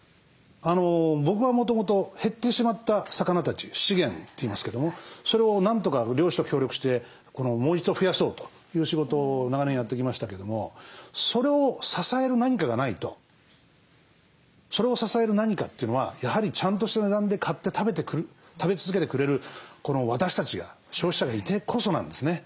僕はもともと減ってしまった魚たち資源といいますけどもそれをなんとか漁師と協力してもう一度増やそうという仕事を長年やってきましたけどもそれを支える何かがないとそれを支える何かというのはやはりちゃんとした値段で買って食べ続けてくれるこの私たちが消費者がいてこそなんですね。